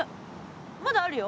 まだあるよ。